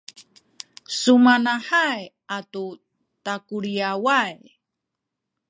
sumanahay atu takuliyaway